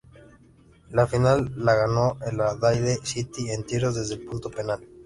La final la ganó el Adelaide City en tiros desde el punto penal.